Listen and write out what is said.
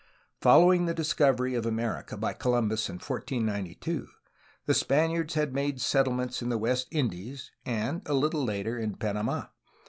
Following the discovery of America by Columbus in 1492, the Spaniards had made settlements in the West Indies and, a little later, in Panamd.